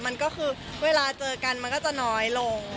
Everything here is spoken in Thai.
มันก็คือเวลาเจอกันมันก็จะน้อยลง